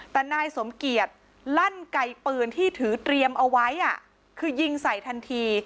แต่นายสมเกียจลั่นไก่ปืนที่ถือเตรียมเอาไว้คือยิงใส่ทันที